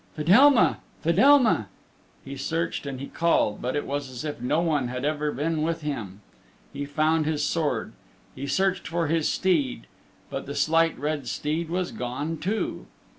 "Fedelma, Fedelma!" He searched and he called, but it was as if no one had ever been with him. He found his sword; be searched for his steed, but the Slight Red Steed was gone too.